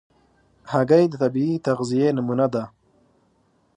هګۍ د طبیعي تغذیې نمونه ده.